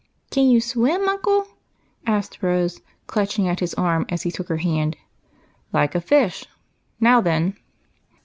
" Can you swim, uncle ?" asked Rose, clutching at his arm as he took her hand. " Like a fish. Now then."